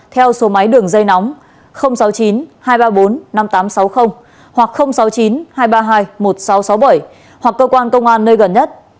theo số máy đường dây nóng sáu mươi chín hai trăm ba mươi bốn năm nghìn tám trăm sáu mươi hoặc sáu mươi chín hai trăm ba mươi hai một nghìn sáu trăm sáu mươi bảy hoặc cơ quan công an nơi gần nhất